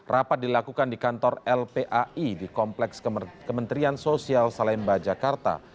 rapat dilakukan di kantor lpai di kompleks kementerian sosial salemba jakarta